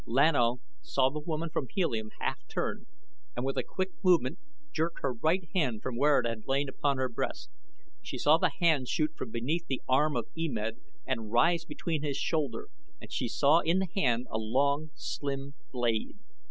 Lan O saw the woman from Helium half turn, and with a quick movement jerk her right hand from where it had lain upon her breast. She saw the hand shoot from beneath the arm of E Med and rise behind his shoulder and she saw in the hand a long, slim blade.